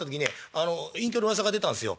あの隠居のうわさが出たんすよ」。